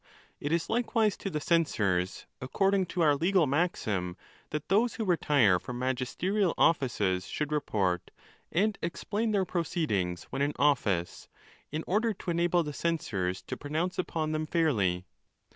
It is likewise to the censors, according to our legal maxim, that those who retire from magisterial offices should report and explain their proceedings when in office, in order to enable the censors to pronounce upon them fairly.